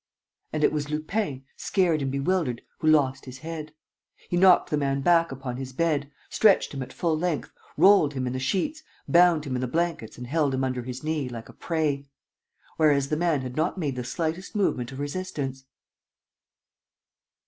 And it was Lupin, scared and bewildered, who lost his head. He knocked the man back upon his bed, stretched him at full length, rolled him in the sheets, bound him in the blankets and held him under his knee, like a prey ... whereas the man had not made the slightest movement of resistance.